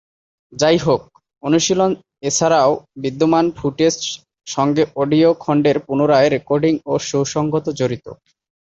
যাইহোক, অনুশীলন এছাড়াও বিদ্যমান ফুটেজ সঙ্গে অডিও খন্ডের পুনরায় রেকর্ডিং ও সুসংগত জড়িত।